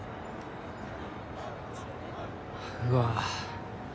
うわ。